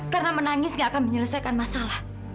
karena menangis gak akan menyelesaikan masalah